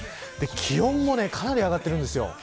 気温もかなり上がってるんです。